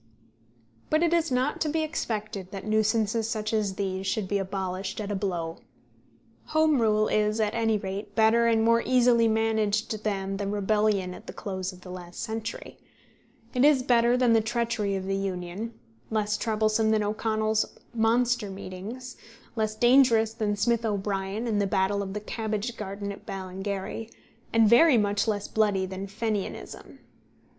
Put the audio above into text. But it is not to be expected that nuisances such as these should be abolished at a blow. Home rule is at any rate better and more easily managed than the rebellion at the close of the last century; it is better than the treachery of the Union; less troublesome than O'Connell's monster meetings; less dangerous than Smith O'Brien and the battle of the cabbage garden at Ballingary; and very much less bloody than Fenianism.